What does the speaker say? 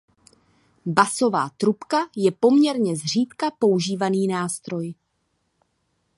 Basová trubka je poměrně zřídka používaný nástroj.